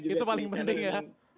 itu paling penting ya